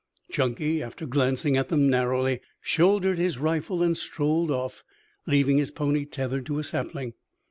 Chunky, after glancing at them narrowly, shouldered his rifle and strolled off, leaving his pony tethered to a sapling.